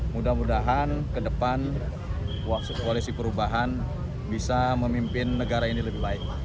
mudah mudahan ke depan koalisi perubahan bisa memimpin negara ini lebih baik